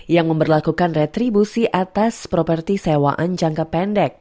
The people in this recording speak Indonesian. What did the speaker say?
yang memperlakukan retribusi atas properti sewaan jangka pendek